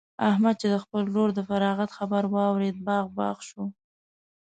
احمد چې د خپل ورور د فراغت خبر واورېد؛ باغ باغ شو.